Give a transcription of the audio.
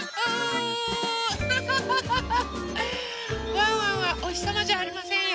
ワンワンはおひさまじゃありませんよ。